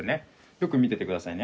よく見ててくださいね。